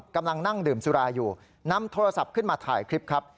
กำลังนั่งดื่มสุราอยู่นำโทรศัพท์ขึ้นมาถ่ายคลิปครับ